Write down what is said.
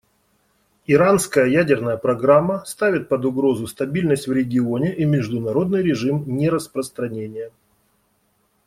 Иранская ядерная программа ставит под угрозу стабильность в регионе и международный режим нераспространения.